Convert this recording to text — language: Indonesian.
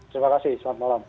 terima kasih selamat malam